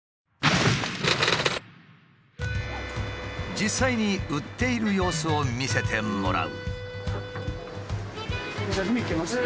実際に売っている様子を見せてもらう。